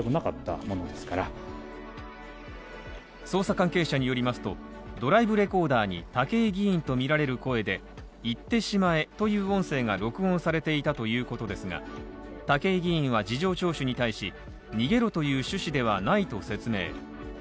捜査関係者によりますと、ドライブレコーダーに武井議員とみられる声で行ってしまえという音声が録音されていたということですが、武井議員は事情聴取に対し、逃げろという趣旨ではないと説明。